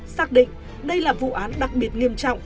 xác định đây là vụ án đặc biệt nghiêm trọng